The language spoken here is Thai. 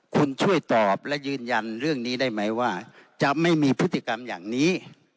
คุณช่วยตอบและยืนยันเรื่องนี้ได้ไหมว่าจะไม่มีพฤติกรรมอย่างนี้